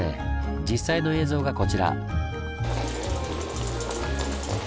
実際の映像がこちら。